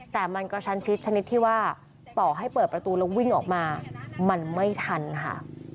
แต่มันกระชันชิดชนิดที่ว่าต่อให้เปิดประตูแล้ววิ่งออกมามันไม่ทันค่ะ